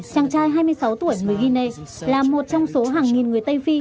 chàng trai hai mươi sáu tuổi người guinea là một trong số hàng nghìn người tây phi